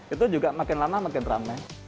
itu juga makin lama makin rame